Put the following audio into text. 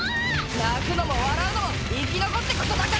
泣くのも笑うのも生き残ってこそだからな！